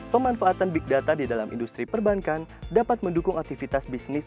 pemanfaatan big data di dalam industri perbankan dapat mendukung aktivitas bisnis